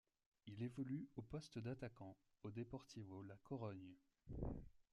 Il évolue au poste d'attaquant au Deportivo La Corogne.